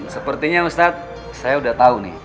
sepertinya ustaz saya sudah tahu nih